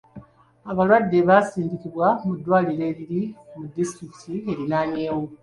Abalwadde basindikibwa mu ddwaliro eriri mu disitulikiti eriraanyeewo.